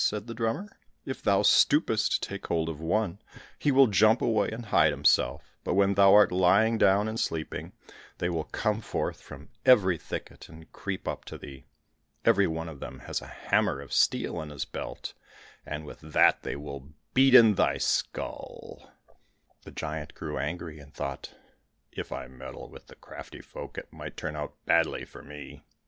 said the drummer; "if thou stoopest to take hold of one, he will jump away and hide himself; but when thou art lying down and sleeping, they will come forth from every thicket, and creep up to thee. Every one of them has a hammer of steel in his belt, and with that they will beat in thy skull." The giant grew angry and thought, "If I meddle with the crafty folk, it might turn out badly for me.